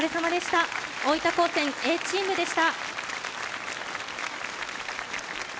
大分高専Ａチームでした。